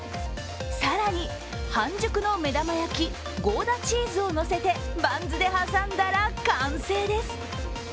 更に、半熟の目玉焼き、ゴーダチーズをのせてバンズで挟んだら完成です。